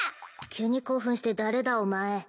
急に興奮して誰だお前